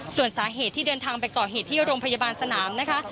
ส่วนสาเหตุที่เดินทางไปก่อเหตุที่โรงพยาบาลสนามนะคะ